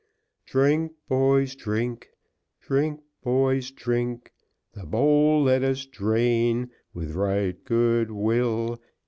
Drink, boys, drink; Drink, boys, drink. The bowl let us drain With right good will.